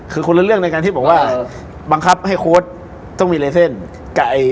คือคนละเรื่องในการที่บอกว่าบังคับให้โค้ดต้องมีเลเซ่นกับไอ้